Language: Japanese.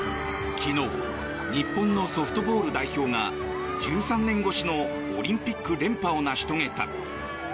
昨日日本のソフトボール代表が１３年越しのオリンピック連覇を成し遂げた。